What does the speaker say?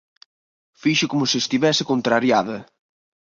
Fixo como se estivese contrariada.